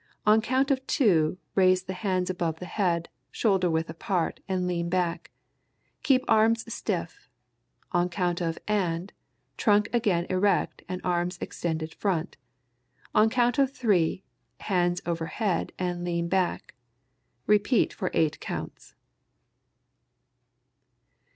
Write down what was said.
On count of "two" raise the hands above the head, shoulder width apart and lean back. Keep arms stiff. On count of "and," trunk again erect and arms extended front. On count of "three," hands over head and lean back. Repeat for eight counts.